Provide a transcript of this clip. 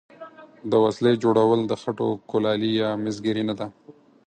د وسلې جوړول د خټو کولالي یا مسګري نه ده.